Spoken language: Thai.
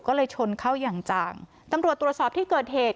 ก็เลยชนเข้าอย่างจังตำรวจตรวจสอบที่เกิดเหตุ